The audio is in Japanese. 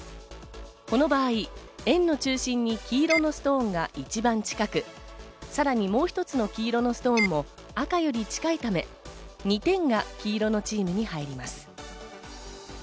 この場合、円の中心に黄色のストーンが一番近く、さらにもう１つの黄色のストーンも赤いより近いため、２点が黄色のチームに入ります。